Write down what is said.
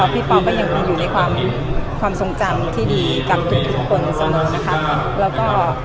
พี่ปอก็ยังคงอยู่ในความทรงจำที่ดีกับทุกคนเสมอนะคะแล้วก็